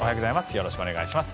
よろしくお願いします。